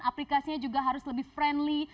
aplikasinya juga harus lebih friendly